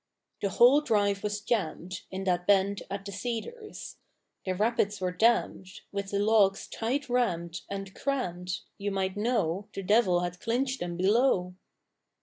The whole drive was jammed, In that bend at the Cedars; The rapids were dammed With the logs tight rammed And crammed; you might know The devil had clinched them below.